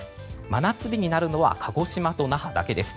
真夏日になるのは鹿児島と那覇だけです。